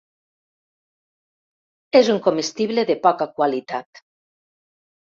És un comestible de poca qualitat.